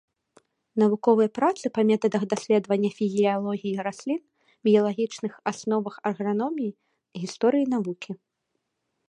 Навуковыя працы па метадах даследавання фізіялогіі раслін, біялагічных асновах аграноміі, гісторыі навукі.